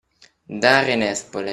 Dare nespole.